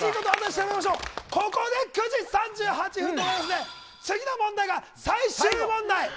ここで９時３８分なので次の問題が最終問題。